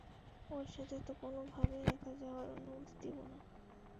ওর সাথে তো কোনোভাবেই একা যাওয়ার অনুমতি দিবো না।